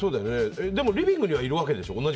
でもリビングにはいるわけでしょ。